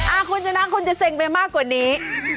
คุณชนะคุณจะเซ็งไปมากกว่านี้